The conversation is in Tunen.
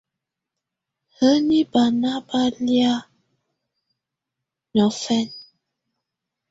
Hǝ́ni banà bà lɛ̀á noɔ̀fɛnɛ?